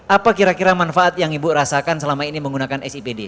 apa kira kira manfaat yang ibu rasakan selama ini menggunakan sipd